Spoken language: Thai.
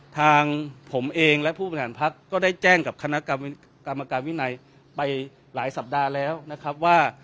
ทางผมเองและผู้บริหารพักก็ได้แจ้งกับคณะกรรมการวินัยไปหลายสัปดาห์แล้วนะครับว่า